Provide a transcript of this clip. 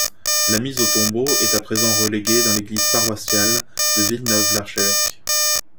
La mise au tombeau est à présent reléguée dans l'église paroissiale de Villeneuve-l'Archevêque.